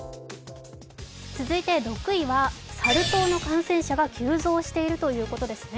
続いて６位はサル痘の感染者が急増しているということですね。